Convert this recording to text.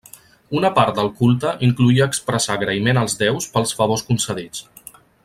Una part del culte incloïa expressar agraïment als déus pels favors concedits.